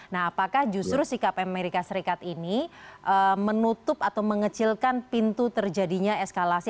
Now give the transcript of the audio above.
nah apakah justru sikap amerika serikat ini menutup atau mengecilkan pintu terjadinya eskalasi